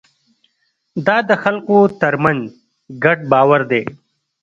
دا د خلکو ترمنځ ګډ باور دی.